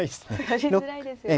やりづらいですよね。